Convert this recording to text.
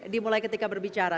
dimulai ketika berbicara